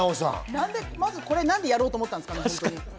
何でこれをやろうと思ったんですかね？